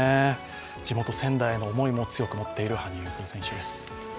地元・仙台への思いを強く持っている羽生結弦選手です。